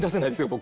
僕。